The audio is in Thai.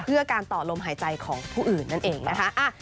เพื่อการต่อลมหายใจของผู้อื่นนั่นเองนะคะ